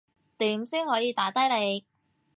點先可以打低你